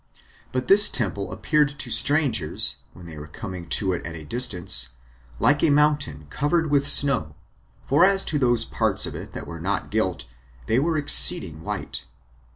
But this temple appeared to strangers, when they were coming to it at a distance, like a mountain covered with snow; for as to those parts of it that were not gilt, they were exceeding white.